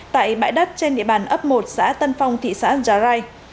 tại bãi đất trên địa bàn ấp một xã tân phong thị xã già rai